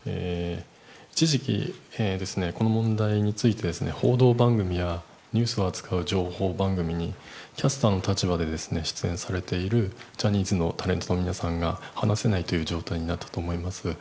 一時期、この問題について報道番組やニュースを扱う情報番組にキャスターの立場で出演されているジャニーズのタレントの皆さんが話せない状態になったと思います。